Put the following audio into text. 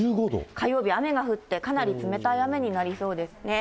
火曜日雨が降って、かなり冷たい雨になりそうですね。